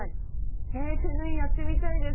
え手縫いやってみたいです！